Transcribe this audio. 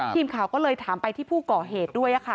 ทีมข่าวก็เลยถามไปที่ผู้ก่อเหตุด้วยค่ะ